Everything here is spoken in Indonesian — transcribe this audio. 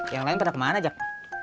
yang lain pada kemana jack